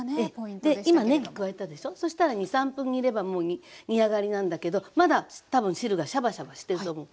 今ねぎ加えたでしょそしたら２３分煮ればもう煮上がりなんだけどまだ多分汁がシャバシャバしてると思う。